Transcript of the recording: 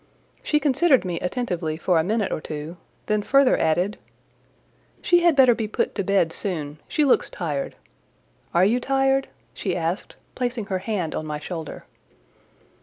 She considered me attentively for a minute or two, then further added— "She had better be put to bed soon; she looks tired: are you tired?" she asked, placing her hand on my shoulder.